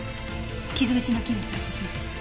傷口の菌を採取します。